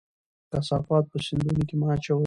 کثافات په سیندونو کې مه اچوئ.